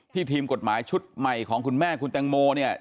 ทีมกฎหมายชุดใหม่ของคุณแม่คุณแตงโมเนี่ย